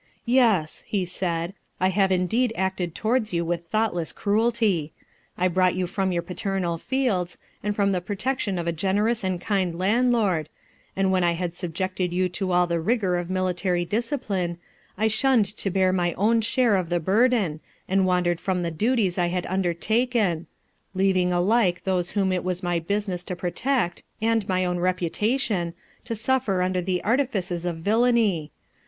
'Yes,' he said, 'I have indeed acted towards you with thoughtless cruelty. I brought you from your paternal fields, and the protection of a generous and kind landlord, and when I had subjected you to all the rigour of military discipline, I shunned to bear my own share of the burden, and wandered from the duties I had undertaken, leaving alike those whom it was my business to protect, and my own reputation, to suffer under the artifices of villainy.